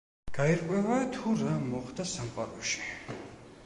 გაირკვევა თუ რა მოხდა სამყაროში.